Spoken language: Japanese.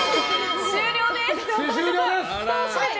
終了です！